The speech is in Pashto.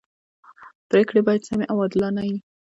پریکړي باید سمي او عادلانه يي.